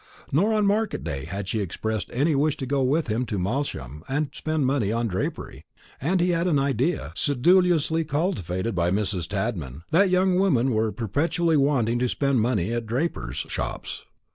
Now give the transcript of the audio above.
Nor on market day had she expressed any wish to go with him to Malsham to spend money on drapery; and he had an idea, sedulously cultivated by Mrs. Tadman, that young women were perpetually wanting to spend money at drapers' shops.